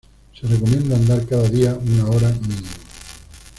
Se recomienda andar cada día, una hora mínimo.